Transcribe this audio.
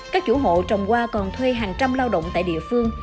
các chủ hộ trồng hoa còn thuê hàng trăm lao động tại địa phương